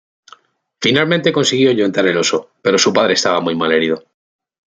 Finalmente consiguió ahuyentar al oso, pero su padre estaba muy mal herido.